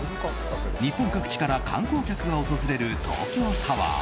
日本各地から観光客が訪れる東京タワー。